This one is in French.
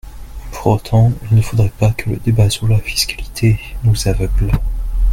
Pour autant, il ne faudrait pas que le débat sur la fiscalité nous aveugle.